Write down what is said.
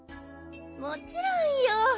もちろんよ。